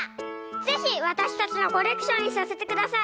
ぜひわたしたちのコレクションにさせてください。